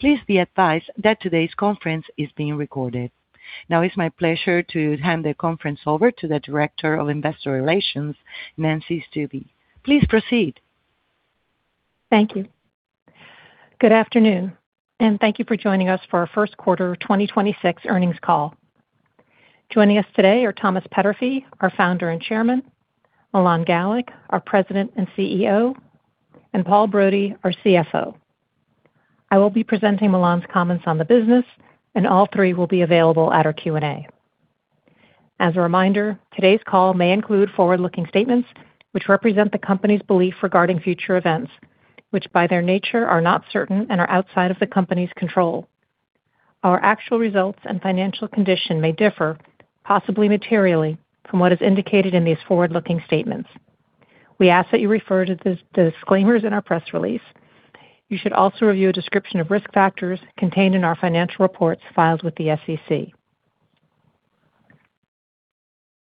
Please be advised that today's conference is being recorded. Now it's my pleasure to hand the conference over to the Director of Investor Relations, Nancy Stuebe. Please proceed. Thank you. Good afternoon, and thank you for joining us for our first quarter 2026 earnings call. Joining us today are Thomas Peterffy, our Founder and Chairman, Milan Galik, our President and CEO, and Paul Brody, our CFO. I will be presenting Milan's comments on the business, and all three will be available at our Q&A. As a reminder, today's call may include forward-looking statements which represent the company's belief regarding future events, which by their nature are not certain and are outside of the company's control. Our actual results and financial condition may differ, possibly materially, from what is indicated in these forward-looking statements. We ask that you refer to the disclaimers in our press release. You should also review a description of risk factors contained in our financial reports filed with the SEC.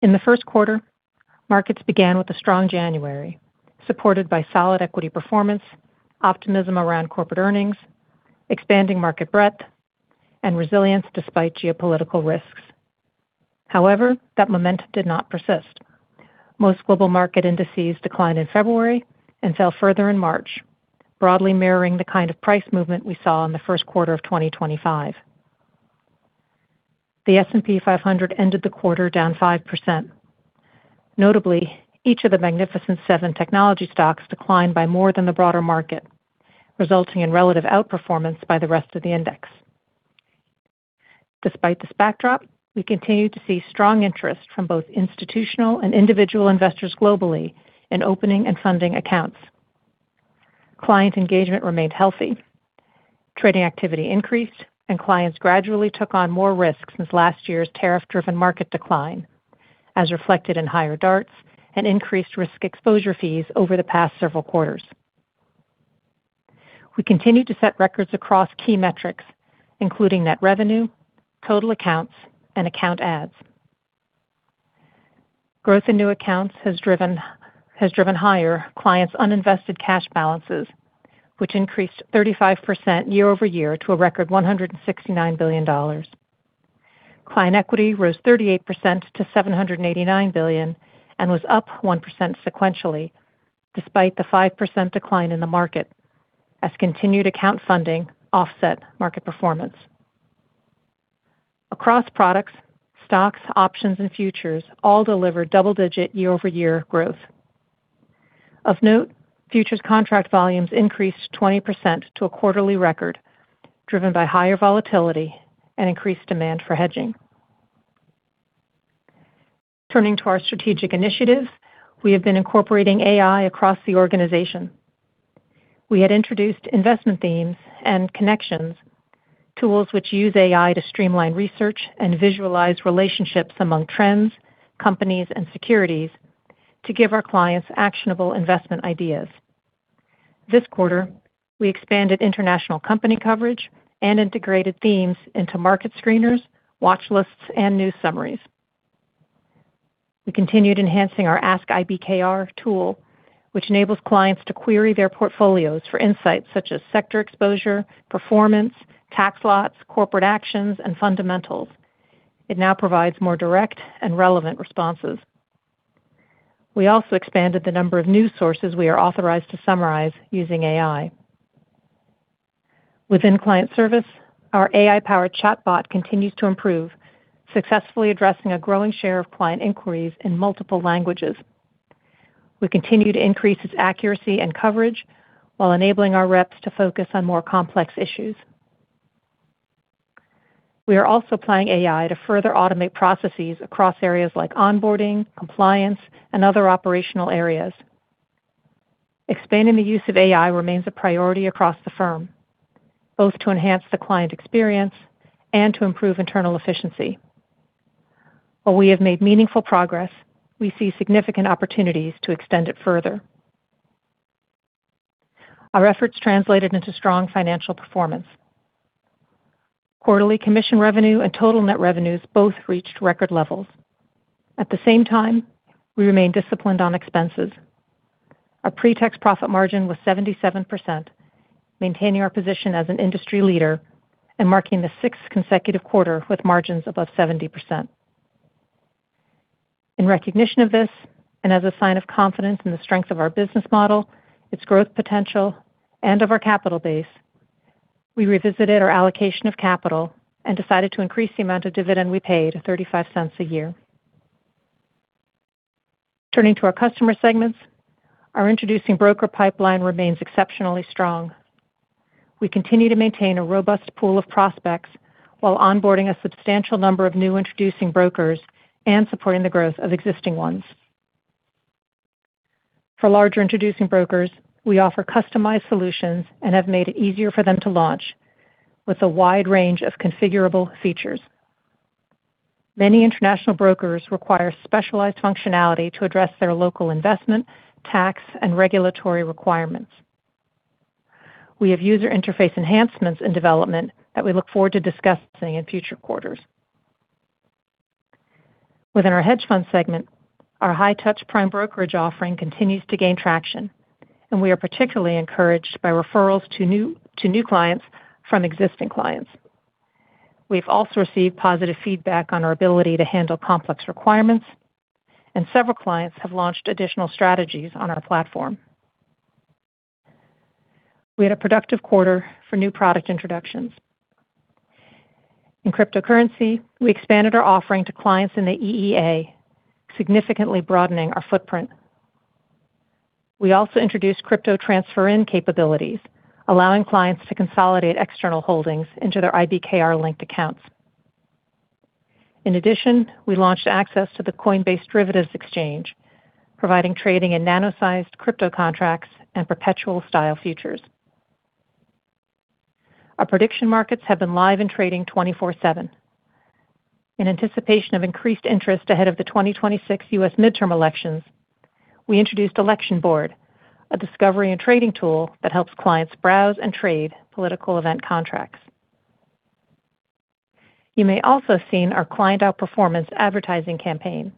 In the first quarter, markets began with a strong January, supported by solid equity performance, optimism around corporate earnings, expanding market breadth, and resilience despite geopolitical risks. However, that momentum did not persist. Most global market indices declined in February and fell further in March, broadly mirroring the kind of price movement we saw in the first quarter of 2025. The S&P 500 ended the quarter down 5%. Notably, each of the Magnificent Seven technology stocks declined by more than the broader market, resulting in relative outperformance by the rest of the index. Despite this backdrop, we continue to see strong interest from both institutional and individual investors globally in opening and funding accounts. Client engagement remained healthy. Trading activity increased, and clients gradually took on more risk since last year's tariff-driven market decline, as reflected in higher DARTs and increased risk exposure fees over the past several quarters. We continued to set records across key metrics, including net revenue, total accounts, and account adds. Growth in new accounts has driven higher clients' uninvested cash balances, which increased 35% year-over-year to a record $169 billion. Client equity rose 38% to $789 billion and was up 1% sequentially despite the 5% decline in the market, as continued account funding offset market performance. Across products, stocks, options, and futures all delivered double-digit year-over-year growth. Of note, futures contract volumes increased 20% to a quarterly record, driven by higher volatility and increased demand for hedging. Turning to our strategic initiatives, we have been incorporating AI across the organization. We had introduced investment themes and connections, tools which use AI to streamline research and visualize relationships among trends, companies, and securities to give our clients actionable investment ideas. This quarter, we expanded international company coverage and integrated themes into market screeners, watch lists, and news summaries. We continued enhancing our Ask IBKR tool, which enables clients to query their portfolios for insights such as sector exposure, performance, tax lots, corporate actions, and fundamentals. It now provides more direct and relevant responses. We also expanded the number of news sources we are authorized to summarize using AI. Within client service, our AI-powered chatbot continues to improve, successfully addressing a growing share of client inquiries in multiple languages. We continue to increase its accuracy and coverage while enabling our reps to focus on more complex issues. We are also applying AI to further automate processes across areas like onboarding, compliance, and other operational areas. Expanding the use of AI remains a priority across the firm, both to enhance the client experience and to improve internal efficiency. While we have made meaningful progress, we see significant opportunities to extend it further. Our efforts translated into strong financial performance. Quarterly commission revenue and total net revenues both reached record levels. At the same time, we remain disciplined on expenses. Our pre-tax profit margin was 77%, maintaining our position as an industry leader and marking the sixth consecutive quarter with margins above 70%. In recognition of this, and as a sign of confidence in the strength of our business model, its growth potential, and of our capital base, we revisited our allocation of capital and decided to increase the amount of dividend we pay to $0.35 a year. Turning to our customer segments, our introducing broker pipeline remains exceptionally strong. We continue to maintain a robust pool of prospects while onboarding a substantial number of new introducing brokers and supporting the growth of existing ones. For larger introducing brokers, we offer customized solutions and have made it easier for them to launch with a wide range of configurable features. Many international brokers require specialized functionality to address their local investment, tax, and regulatory requirements. We have user interface enhancements in development that we look forward to discussing in future quarters. With our hedge fund segment, our high-touch prime brokerage offering continues to gain traction, and we are particularly encouraged by referrals to new clients from existing clients. We've also received positive feedback on our ability to handle complex requirements, and several clients have launched additional strategies on our platform. We had a productive quarter for new product introductions. In cryptocurrency, we expanded our offering to clients in the EEA, significantly broadening our footprint. We also introduced crypto transfer-in capabilities, allowing clients to consolidate external holdings into their IBKR-linked accounts. In addition, we launched access to the Coinbase Derivatives Exchange, providing trading in nano-sized crypto contracts and perpetual futures. Our prediction markets have been live, trading 24/7. In anticipation of increased interest ahead of the 2026 U.S. midterm elections, we introduced Election Board, a discovery and trading tool that helps clients browse and trade political event contracts. You may also have seen our client outperformance advertising campaign.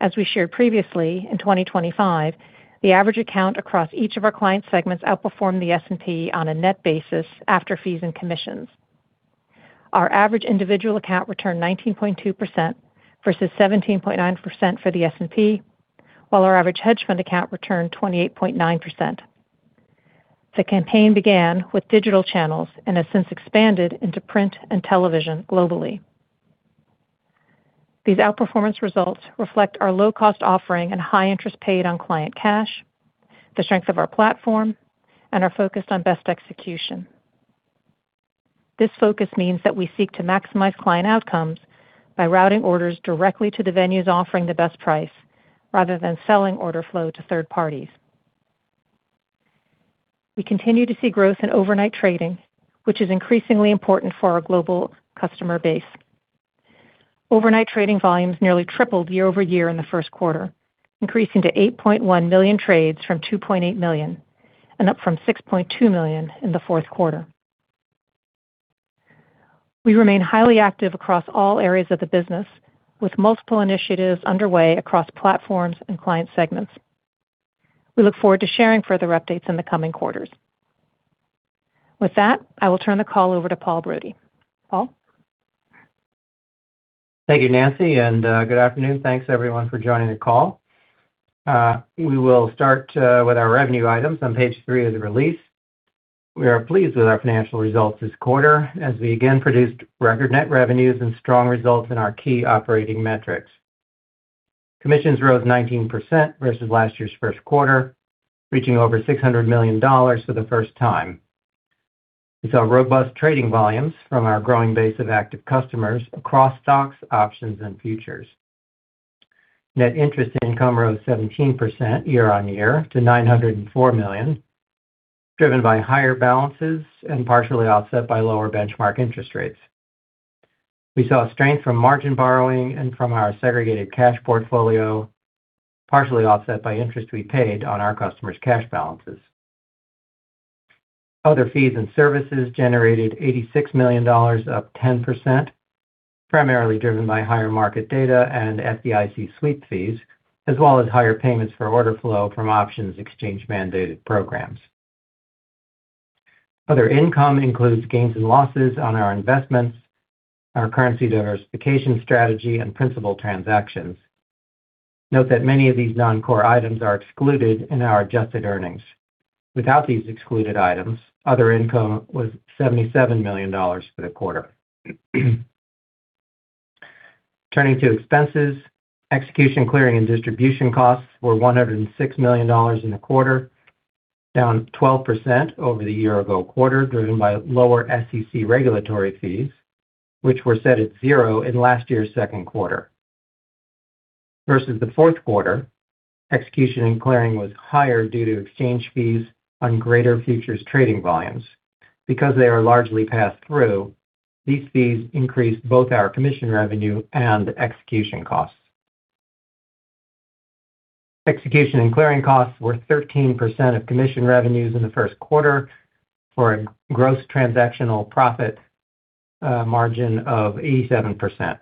As we shared previously, in 2025, the average account across each of our client segments outperformed the S&P on a net basis after fees and commissions. Our average individual account returned 19.2% versus 17.9% for the S&P, while our average hedge fund account returned 28.9%. The campaign began with digital channels and has since expanded into print and television globally. These outperformance results reflect our low-cost offering and high interest paid on client cash, the strength of our platform, and are focused on best execution. This focus means that we seek to maximize client outcomes by routing orders directly to the venues offering the best price rather than selling order flow to third parties. We continue to see growth in overnight trading, which is increasingly important for our global customer base. Overnight trading volumes nearly tripled year-over-year in the first quarter, increasing to 8.1 million trades from 2.8 million, and up from 6.2 million in the fourth quarter. We remain highly active across all areas of the business, with multiple initiatives underway across platforms and client segments. We look forward to sharing further updates in the coming quarters. With that, I will turn the call over to Paul Brody. Paul? Thank you, Nancy, and good afternoon thanks everyone for joining the call. We will start with our revenue items on page three of the release. We are pleased with our financial results this quarter as we again produced record net revenues and strong results in our key operating metrics. Commissions rose 19% versus last year's first quarter, reaching over $600 million for the first time. We saw robust trading volumes from our growing base of active customers across stocks, options, and futures. Net interest income rose 17% year-over-year to $904 million, driven by higher balances and partially offset by lower benchmark interest rates. We saw strength from margin borrowing and from our segregated cash portfolio, partially offset by interest we paid on our customers' cash balances. Other fees and services generated $86 million, up 10%, primarily driven by higher market data and FDIC sweep fees, as well as higher payments for order flow from options exchange-mandated programs. Other income includes gains and losses on our investments, our currency diversification strategy, and principal transactions. Note that many of these non-core items are excluded in our adjusted earnings. Without these excluded items, other income was $77 million for the quarter. Turning to expenses, execution, clearing, and distribution costs were $106 million in the quarter, down 12% over the year-ago quarter, driven by lower SEC regulatory fees, which were set at zero in last year's second quarter. Versus the fourth quarter, execution and clearing was higher due to exchange fees on greater futures trading volumes. Because they are largely passed through, these fees increased both our commission revenue and execution costs. Execution and clearing costs were 13% of commission revenues in the first quarter, for a gross transactional profit margin of 87%.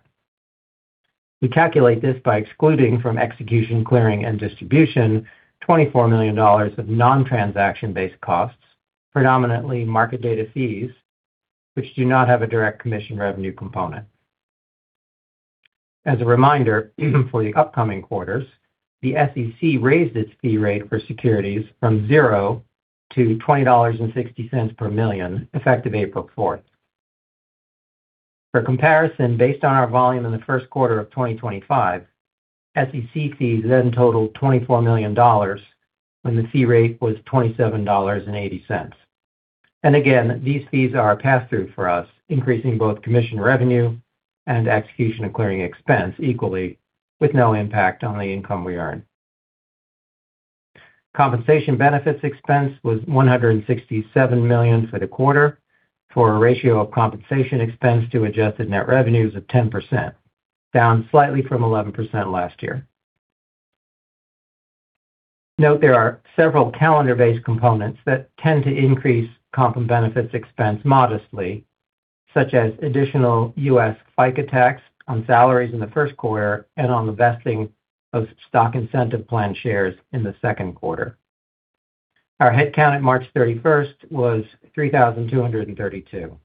We calculate this by excluding from execution, clearing, and distribution $24 million of non-transaction-based costs, predominantly market data fees, which do not have a direct commission revenue component. As a reminder, for the upcoming quarters, the SEC raised its fee rate for securities from $0 to $20.60 per million, effective April 4th. For comparison, based on our volume in the first quarter of 2025, SEC fees then totaled $24 million when the fee rate was $27.80. Again, these fees are a pass-through for us, increasing both commission revenue and execution and clearing expense equally, with no impact on the income we earn. Compensation benefits expense was $167 million for the quarter, for a ratio of compensation expense to adjusted net revenues of 10%, down slightly from 11% last year. Note there are several calendar-based components that tend to increase comp and benefits expense modestly, such as additional U.S. FICA tax on salaries in the first quarter and on the vesting of stock incentive plan shares in the second quarter. Our headcount at March 31st was 3,232.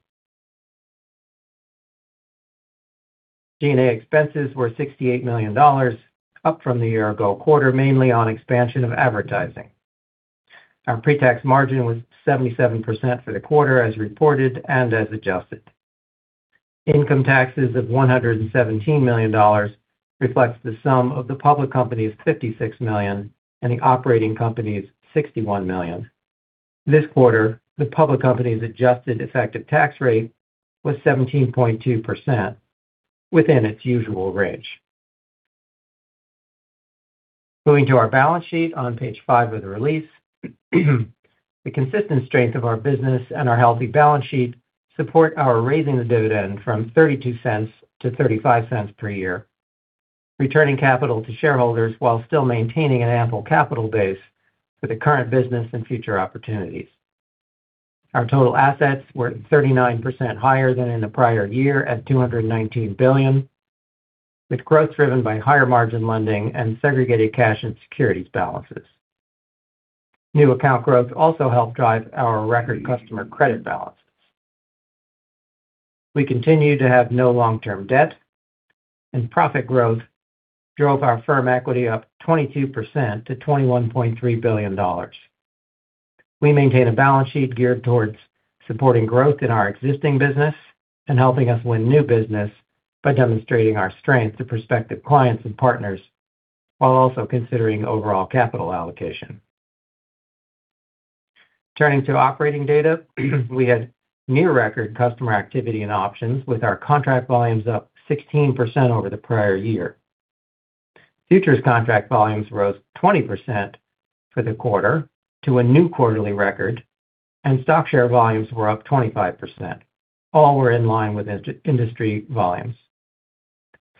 G&A expenses were $68 million, up from the year-ago quarter, mainly on expansion of advertising. Our pre-tax margin was 77% for the quarter as reported and as adjusted. Income taxes of $117 million reflects the sum of the public company's $56 million and the operating company's $61 million. This quarter, the public company's adjusted effective tax rate was 17.2%, within its usual range. Going to our balance sheet on page five of the release, the consistent strength of our business and our healthy balance sheet support our raising the dividend from $0.32-$0.35 per year, returning capital to shareholders while still maintaining an ample capital base for the current business and future opportunities. Our total assets were 39% higher than in the prior year at $219 billion, with growth driven by higher margin lending and segregated cash and securities balances. New account growth also helped drive our record customer credit balance. We continue to have no long-term debt, and profit growth drove our firm equity up 22% to $21.3 billion. We maintain a balance sheet geared towards supporting growth in our existing business and helping us win new business by demonstrating our strength to prospective clients and partners while also considering overall capital allocation. Turning to operating data, we had near record customer activity and options with our contract volumes up 16% over the prior year. Futures contract volumes rose 20% for the quarter to a new quarterly record, and stock share volumes were up 25%. All were in line with industry volumes.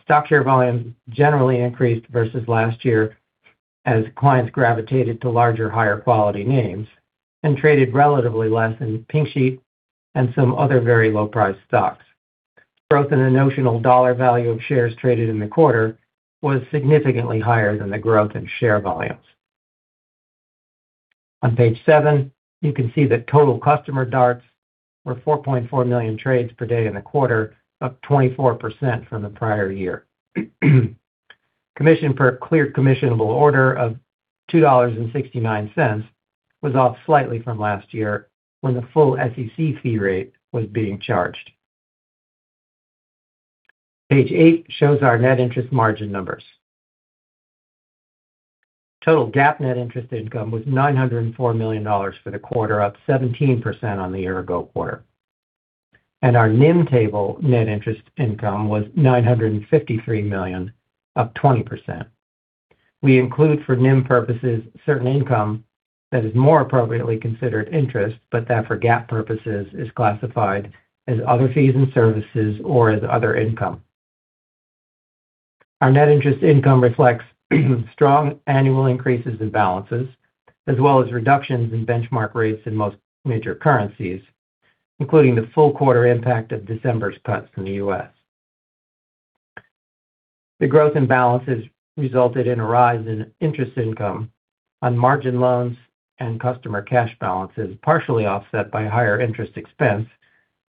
Stock share volumes generally increased versus last year as clients gravitated to larger, higher quality names and traded relatively less in pink sheet and some other very low-priced stocks. Growth in the notional dollar value of shares traded in the quarter was significantly higher than the growth in share volumes. On page seven, you can see that total customer DARTs were 4.4 million trades per day in the quarter, up 24% from the prior year. Commission per cleared commissionable order of $2.69 was off slightly from last year when the full SEC fee rate was being charged. Page eight shows our net interest margin numbers. Total GAAP net interest income was $904 million for the quarter, up 17% on the year-ago quarter. Our NIM table net interest income was $953 million, up 20%. We include for NIM purposes certain income that is more appropriately considered interest, but that for GAAP purposes is classified as other fees and services or as other income. Our net interest income reflects strong annual increases in balances, as well as reductions in benchmark rates in most major currencies, including the full quarter impact of December's cuts in the U.S. The growth in balances resulted in a rise in interest income on margin loans and customer cash balances, partially offset by higher interest expense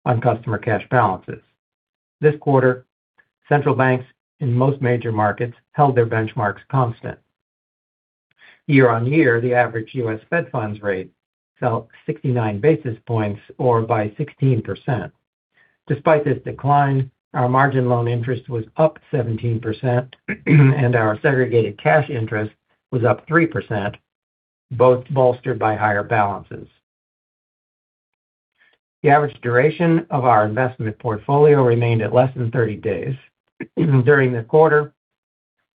on customer cash balances. This quarter, central banks in most major markets held their benchmarks constant. Year-over-year, the average U.S. Fed funds rate fell 69 basis points or by 16%. Despite this decline, our margin loan interest was up 17% and our segregated cash interest was up 3%, both bolstered by higher balances. The average duration of our investment portfolio remained at less than 30 days. During the quarter,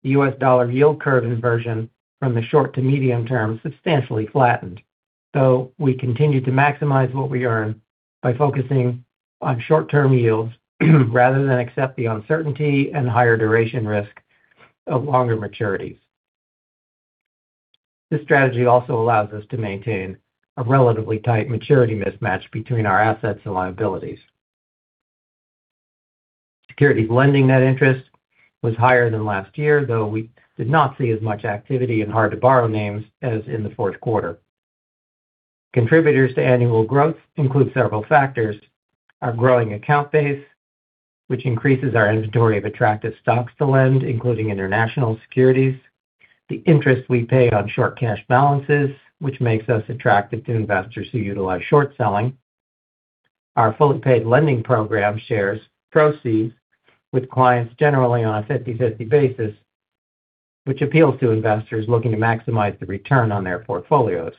the U.S. dollar yield curve inversion from the short to medium term substantially flattened, so we continued to maximize what we earn by focusing on short-term yields rather than accept the uncertainty and higher duration risk of longer maturities. This strategy also allows us to maintain a relatively tight maturity mismatch between our assets and liabilities. Securities lending net interest was higher than last year, though we did not see as much activity in hard-to-borrow names as in the fourth quarter. Contributors to annual growth include several factors, our growing account base, which increases our inventory of attractive stocks to lend, including international securities, the interest we pay on short cash balances, which makes us attractive to investors who utilize short selling, our fully paid lending program shares proceeds with clients generally on a 50/50 basis, which appeals to investors looking to maximize the return on their portfolios.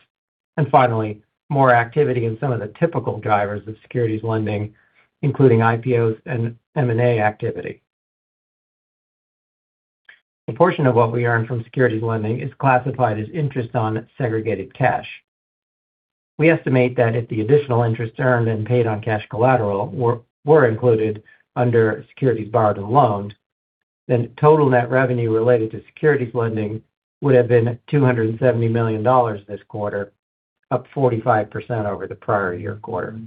Finally, more activity in some of the typical drivers of securities lending, including IPOs and M&A activity. A portion of what we earn from securities lending is classified as interest on segregated cash. We estimate that if the additional interest earned and paid on cash collateral were included under securities borrowed and loaned, then total net revenue related to securities lending would have been $270 million this quarter, up 45% over the prior year quarter.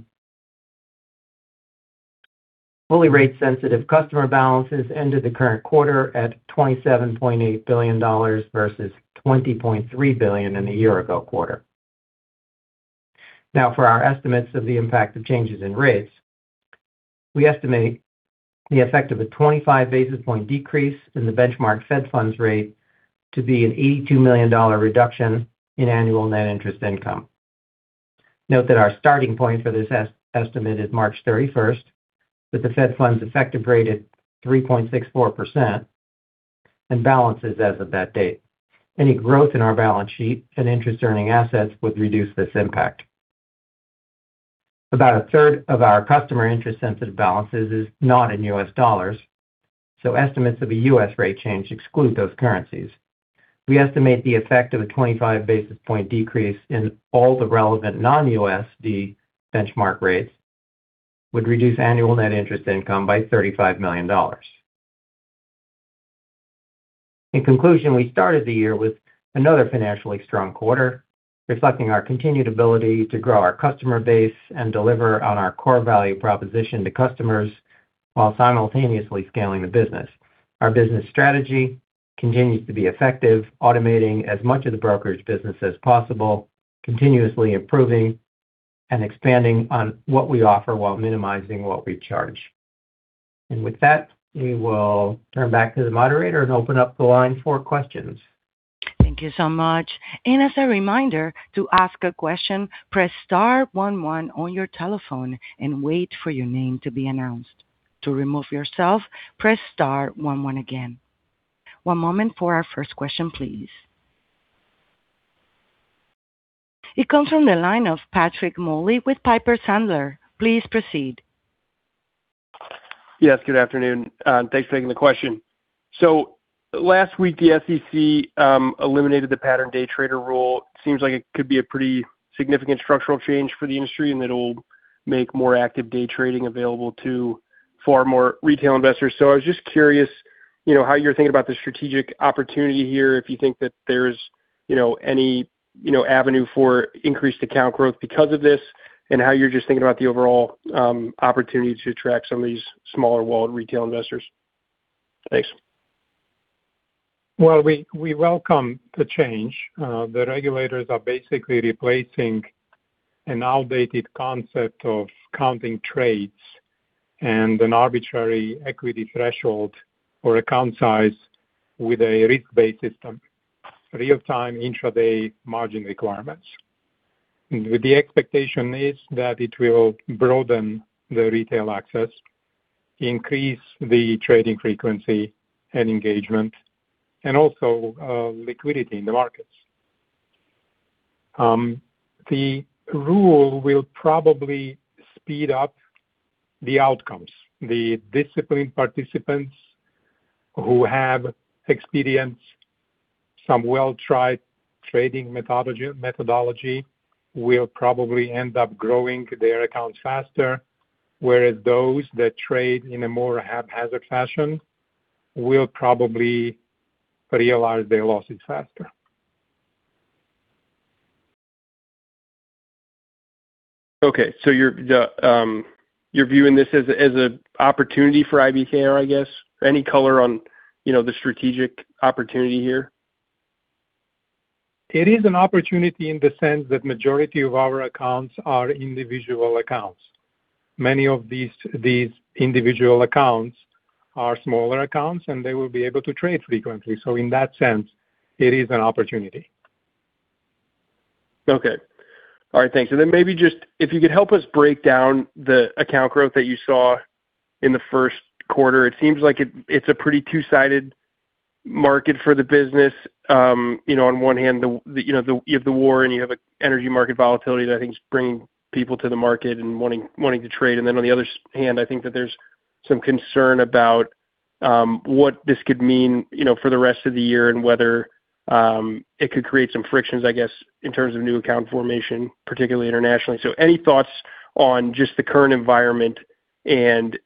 Fully rate sensitive customer balances ended the current quarter at $27.8 billion, versus $20.3 billion in the year ago quarter. Now for our estimates of the impact of changes in rates. We estimate the effect of a 25 basis point decrease in the benchmark Fed funds rate to be an $82 million reduction in annual net interest income. Note that our starting point for this estimate is March 31st, with the Fed funds effective rate at 3.64% and balances as of that date. Any growth in our balance sheet and interest earning assets would reduce this impact. About 1/3 of our customer interest-sensitive balances is not in U.S. dollars, so estimates of a U.S. rate change exclude those currencies. We estimate the effect of a 25 basis point decrease in all the relevant non-USD benchmark rates would reduce annual net interest income by $35 million. In conclusion, we started the year with another financially strong quarter, reflecting our continued ability to grow our customer base and deliver on our core value proposition to customers while simultaneously scaling the business. Our business strategy continues to be effective, automating as much of the brokerage business as possible, continuously improving and expanding on what we offer while minimizing what we charge. With that, we will turn back to the moderator and open up the line for questions. Thank you so much. As a reminder, to ask a question, press star one one on your telephone and wait for your name to be announced. To remove yourself, press star one one again. One moment for our first question please. It comes from the line of Patrick Moley with Piper Sandler. Please proceed. Yes, good afternoon. Thanks for taking the question. Last week the SEC eliminated the pattern day trader rule. Seems like it could be a pretty significant structural change for the industry, and it'll make more active day trading available to far more retail investors. I was just curious how you're thinking about the strategic opportunity here, if you think that there's any avenue for increased account growth because of this, and how you're just thinking about the overall opportunity to attract some of these smaller wallet retail investors. Thanks. Well, we welcome the change. The regulators are basically replacing an outdated concept of counting trades and an arbitrary equity threshold for account size with a risk-based system, real-time intra-day margin requirements. The expectation is that it will broaden the retail access, increase the trading frequency and engagement, and also liquidity in the markets. The rule will probably speed up the outcomes. The disciplined participants who have experienced some well-tried trading methodology will probably end up growing their accounts faster, whereas those that trade in a more haphazard fashion will probably realize their losses faster. Okay. You're viewing this as an opportunity for IBKR, I guess? Any color on the strategic opportunity here? It is an opportunity in the sense that majority of our accounts are individual accounts. Many of these individual accounts are smaller accounts, and they will be able to trade frequently. In that sense, it is an opportunity. Okay. All right, thanks. Maybe just if you could help us break down the account growth that you saw in the first quarter, it seems like it's a pretty two-sided market for the business. On one hand, you have the war, and you have energy market volatility that I think is bringing people to the market and wanting to trade. On the other hand, I think that there's some concern about what this could mean for the rest of the year and whether it could create some frictions, I guess, in terms of new account formation, particularly internationally. Any thoughts on just the current environment and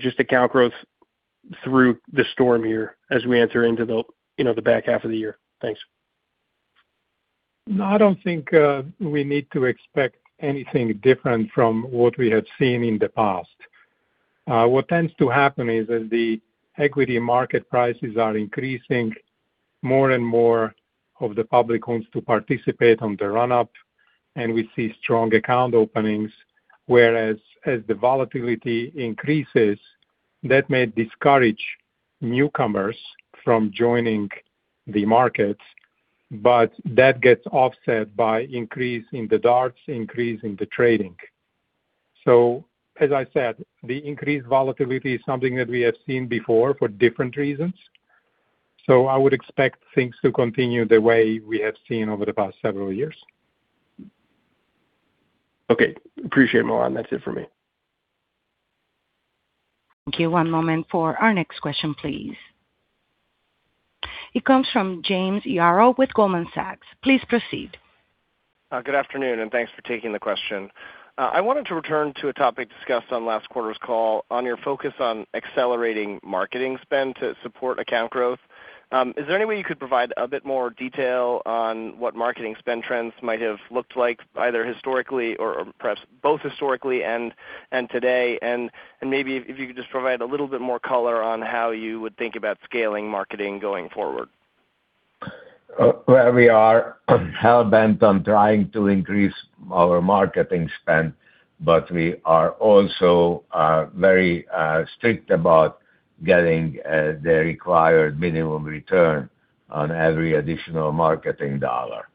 just account growth through the storm here as we enter into the back half of the year? Thanks. I don't think we need to expect anything different from what we have seen in the past. What tends to happen is as the equity market prices are increasing, more and more of the public wants to participate on the run up, and we see strong account openings. Whereas as the volatility increases, that may discourage newcomers from joining the market, but that gets offset by increase in the DARTs, increase in the trading. As I said, the increased volatility is something that we have seen before for different reasons, so I would expect things to continue the way we have seen over the past several years. Okay. Appreciate it, Milan. That's it for me. Thank you. One moment for our next question, please. It comes from James Yaro with Goldman Sachs. Please proceed. Good afternoon, and thanks for taking the question. I wanted to return to a topic discussed on last quarter's call on your focus on accelerating marketing spend to support account growth. Is there any way you could provide a bit more detail on what marketing spend trends might have looked like, either historically or perhaps both historically and today? Maybe if you could just provide a little bit more color on how you would think about scaling marketing going forward. Well, we are hell-bent on trying to increase our marketing spend, but we are also very strict about getting the required minimum return on every additional marketing dollar.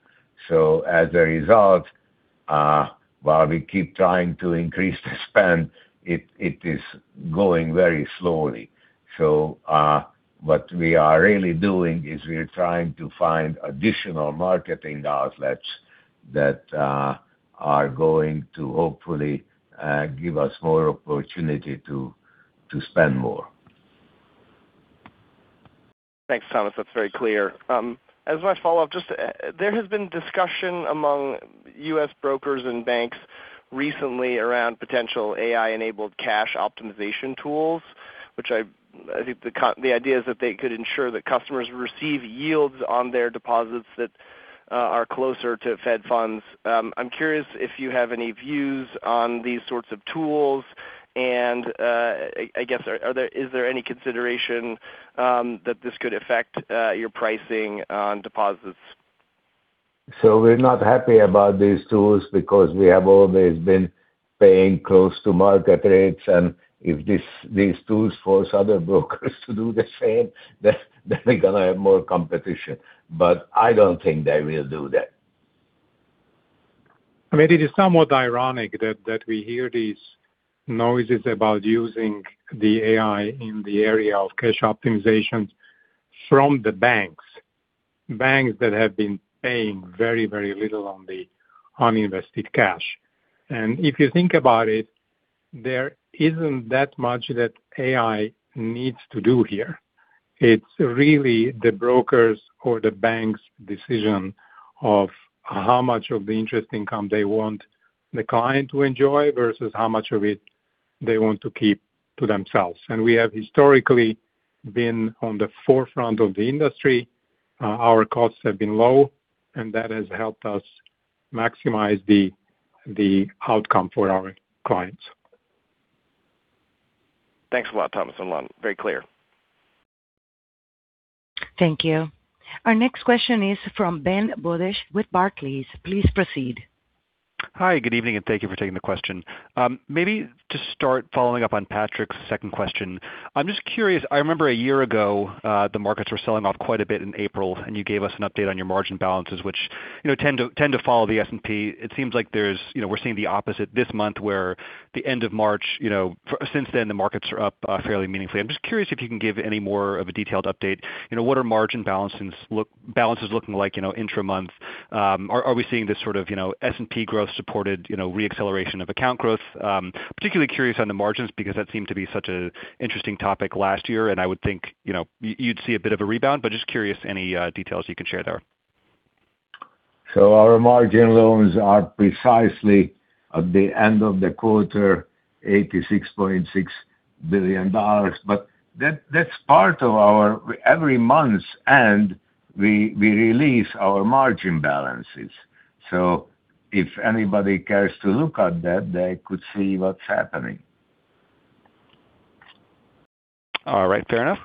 As a result, while we keep trying to increase the spend, it is going very slowly. What we are really doing is we are trying to find additional marketing outlets that are going to hopefully give us more opportunity to spend more. Thanks, Thomas. That's very clear. As my follow-up, there has been discussion among U.S. brokers and banks recently around potential AI-enabled cash optimization tools, which I think the idea is that they could ensure that customers receive yields on their deposits that are closer to Fed funds. I'm curious if you have any views on these sorts of tools, and I guess, is there any consideration that this could affect your pricing on deposits? We're not happy about these tools because we have always been paying close to market rates. If these tools force other brokers to do the same, then we're going to have more competition. I don't think they will do that. It is somewhat ironic that we hear these noises about using the AI in the area of cash optimization from the banks that have been paying very little on the uninvested cash. We have historically been on the forefront of the industry. Our costs have been low, and that has helped us maximize the outcome for our clients. Thanks a lot, Thomas. Very clear. Thank you. Our next question is from Ben Budish with Barclays. Please proceed. Hi, good evening, and thank you for taking the question. Maybe to start following up on Patrick's second question, I'm just curious. I remember a year ago, the markets were selling off quite a bit in April, and you gave us an update on your margin balances, which tend to follow the S&P. It seems like we're seeing the opposite this month, where at the end of March, since then the markets are up fairly meaningfully. I'm just curious if you can give any more of a detailed update. What are margin balances looking like intra-month? Are we seeing this sort of S&P growth-supported re-acceleration of account growth? Particularly curious on the margins because that seemed to be such an interesting topic last year, and I would think you'd see a bit of a rebound, but just curious any details you can share there. Our margin loans are precisely at the end of the quarter, $86.6 billion. That's part of our every month's end, we release our margin balances. If anybody cares to look at that, they could see what's happening. All right. Fair enough.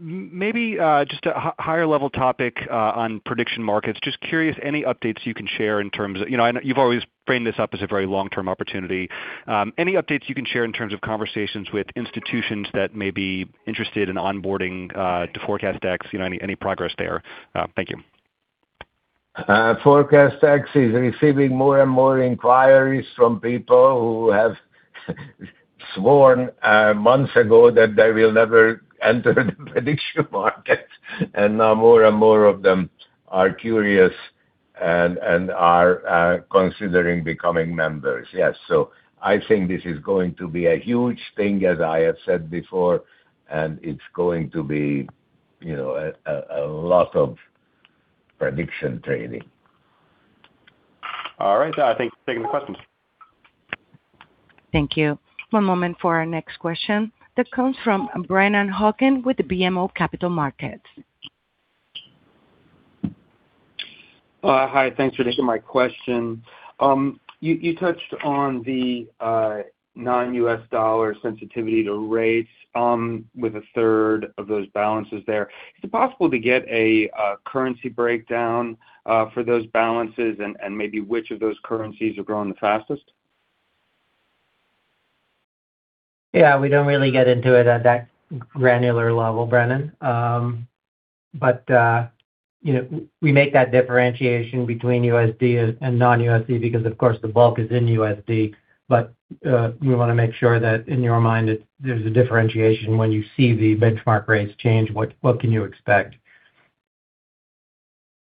Maybe just a higher-level topic on prediction markets. Just curious, any updates you can share in terms of. I know you've always framed this up as a very long-term opportunity. Any updates you can share in terms of conversations with institutions that may be interested in onboarding to ForecastEx? Any progress there? Thank you. ForecastEx is receiving more and more inquiries from people who have sworn months ago that they will never enter the prediction market. Now more and more of them are curious and are considering becoming members. Yes. I think this is going to be a huge thing, as I have said before, and it's going to be a lot of prediction trading. All right. I thank you for taking the questions. Thank you. One moment for our next question. That comes from Brennan Hawken with BMO Capital Markets. Hi, thanks for taking my question. You touched on the non-U.S. dollar sensitivity to rates with 1/3 of those balances there. Is it possible to get a currency breakdown for those balances and maybe which of those currencies are growing the fastest? Yeah, we don't really get into it at that granular level, Brennan. We make that differentiation between USD and non-USD because, of course, the bulk is in USD. We want to make sure that in your mind, there's a differentiation when you see the benchmark rates change, what can you expect?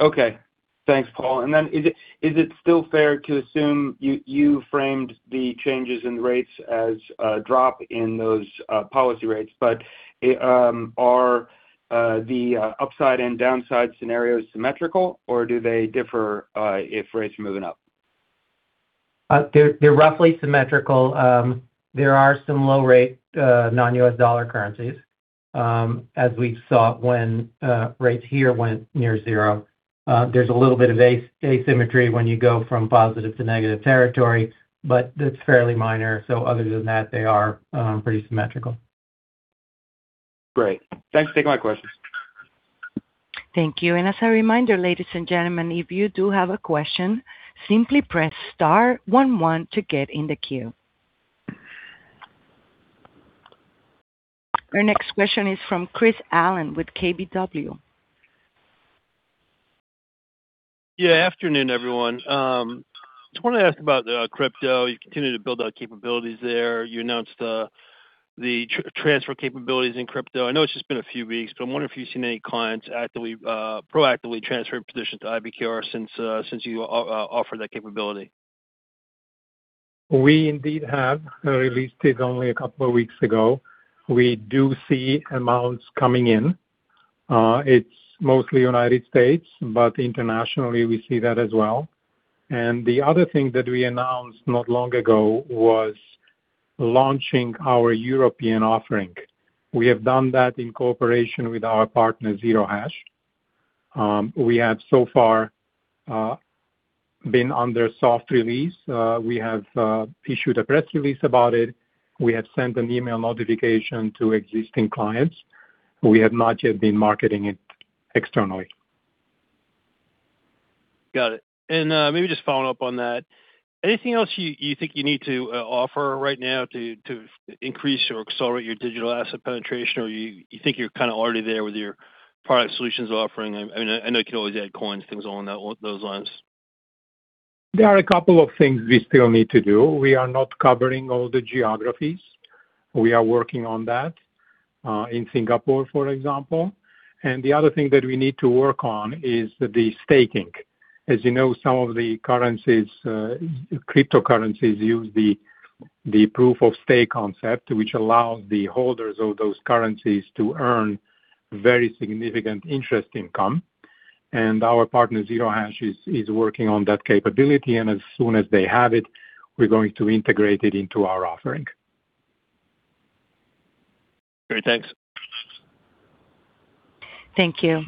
Okay. Thanks, Paul. Is it still fair to assume you framed the changes in rates as a drop in those policy rates? Are the upside and downside scenarios symmetrical, or do they differ if rates are moving up? They're roughly symmetrical. There are some low rate non-U.S. dollar currencies, as we saw when rates here went near zero. There's a little bit of asymmetry when you go from positive to negative territory, but that's fairly minor. Other than that, they are pretty symmetrical. Great. Thanks for taking my questions. Thank you. As a reminder, ladies and gentlemen, if you do have a question, simply press star one to get in the queue. Our next question is from Chris Allen with KBW. Yeah. Good afternoon, everyone. Just want to ask about crypto. You continue to build out capabilities there. You announced the transfer capabilities in crypto. I know it's just been a few weeks, but I'm wondering if you've seen any clients proactively transfer positions to IBKR since you offered that capability? We indeed have released it only a couple of weeks ago. We do see amounts coming in. It's mostly United States, but internationally, we see that as well. The other thing that we announced not long ago was launching our European offering. We have done that in cooperation with our partner, Zero Hash. We have so far been under soft release. We have issued a press release about it. We have sent an email notification to existing clients. We have not yet been marketing it externally. Got it. Maybe just following up on that, anything else you think you need to offer right now to increase or accelerate your digital asset penetration? You think you're kind of already there with your product solutions offering? I know you can always add coins, things along those lines. There are a couple of things we still need to do. We are not covering all the geographies. We are working on that in Singapore, for example. The other thing that we need to work on is the staking. As you know, some of the cryptocurrencies use the proof of stake concept, which allows the holders of those currencies to earn very significant interest income. Our partner, Zero Hash, is working on that capability, and as soon as they have it, we're going to integrate it into our offering. Great. Thanks. Thank you.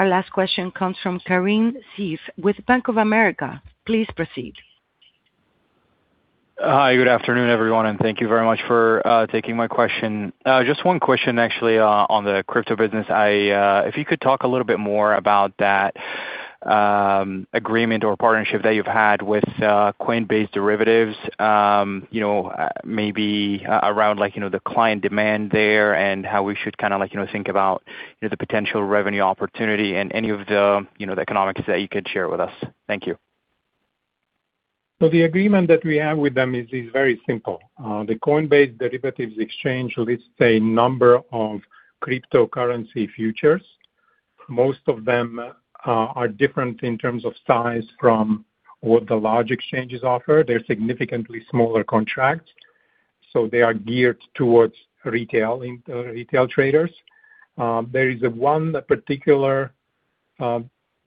Our last question comes from Karim Zine with Bank of America. Please proceed. Hi, good afternoon, everyone, and thank you very much for taking my question. Just one question, actually, on the crypto business. If you could talk a little bit more about that agreement or partnership that you've had with Coinbase Derivatives, maybe around the client demand there and how we should think about the potential revenue opportunity and any of the economics that you could share with us. Thank you. The agreement that we have with them is very simple. The Coinbase Derivatives Exchange lists a number of cryptocurrency futures. Most of them are different in terms of size from what the large exchanges offer. They're significantly smaller contracts, so they are geared towards retail traders. There is one particular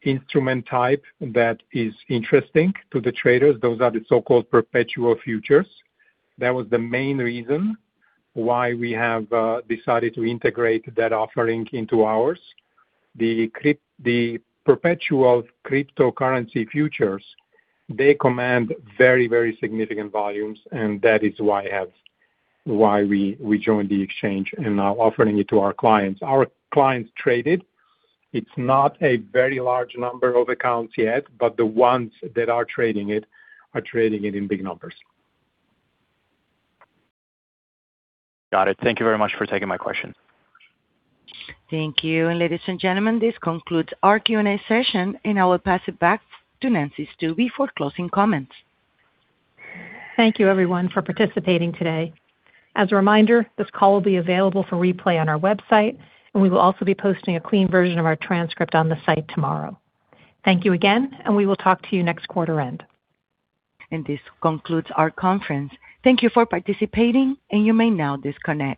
instrument type that is interesting to the traders. Those are the so-called perpetual futures. That was the main reason why we have decided to integrate that offering into ours. The perpetual cryptocurrency futures, they command very significant volumes, and that is why we joined the exchange and are offering it to our clients. Our clients trade it. It's not a very large number of accounts yet, but the ones that are trading it are trading it in big numbers. Got it. Thank you very much for taking my question. Thank you. Ladies and gentlemen, this concludes our Q&A session, and I will pass it back to Nancy Stuebe for closing comments. Thank you everyone for participating today. As a reminder, this call will be available for replay on our website, and we will also be posting a clean version of our transcript on the site tomorrow. Thank you again, and we will talk to you next quarter end. This concludes our conference. Thank you for participating, and you may now disconnect.